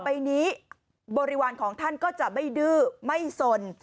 ไปนี้บริวารของท่านก็จะไม่ดื้อไม่สน